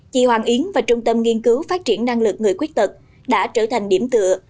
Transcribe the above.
chị hoàng yến và trung tâm nghiên cứu phát triển năng lực người khuyết tật đã trở thành điểm tựa